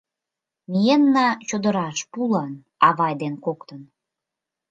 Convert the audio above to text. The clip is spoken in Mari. Миенна чодыраш пулан авай ден коктын.